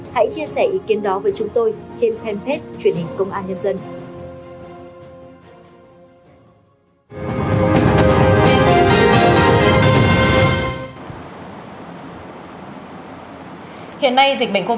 hãy chia sẻ ý kiến đó với chúng tôi trên fanpage truyền hình công an nhân dân